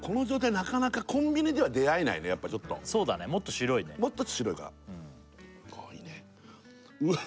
なかなかコンビニでは出会えないねやっぱちょっとそうだねもっと白いねもうちょっと白いかああいいねうわ